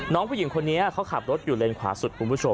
น้องผู้หญิงคนนี้เขาขับรถอยู่เลนขวาสุดคุณผู้ชม